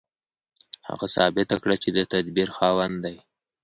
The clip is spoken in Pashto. هغه ثابته کړه چې د تدبير خاوند دی.